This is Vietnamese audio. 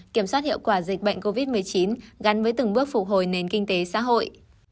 kiểm soát hiệu quả dịch bệnh covid một mươi chín gắn với từng bước phục hồi nền kinh tế xã hội